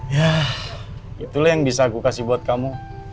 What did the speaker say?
ya itulah yang bisa aku kasih buat kamu